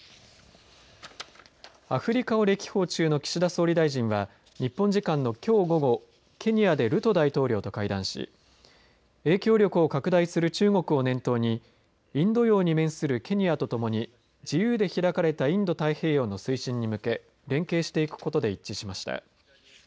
アフリカを歴訪中の岸田総理大臣は日本時間のきょう午後ケニアでルト大統領と会談し影響力を拡大する中国を念頭にインド洋に面するケニアと共に自由で開かれたインド太平洋の推進に向け連携していくことで一致しました。